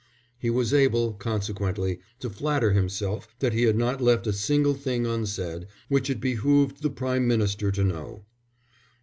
He was able, consequently, to flatter himself that he had not left a single thing unsaid which it behoved the Prime Minister to know.